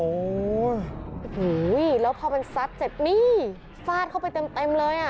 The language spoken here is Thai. โอ้โหแล้วพอมันซัดเสร็จนี่ฟาดเข้าไปเต็มเต็มเลยอ่ะ